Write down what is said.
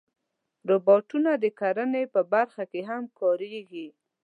روبوټونه د کرنې په برخه کې هم کارېږي.